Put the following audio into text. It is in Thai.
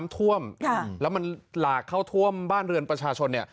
ถ้วมและมันหลากเข้าถ้วมบ้านเรือนประชาชน